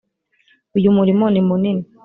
uyu mulimo ni munini